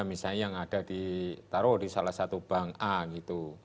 misalnya yang ada ditaruh di salah satu bank a gitu